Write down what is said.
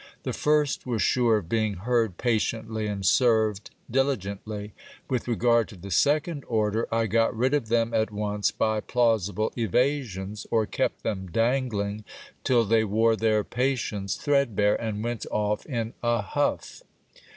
The first were sure of being heard patiently and served diligently ; with regard to the second order, I got rid of them at once by plausible evasions, or kept them dangling till they wore their patience threadbare, and went off in a huff.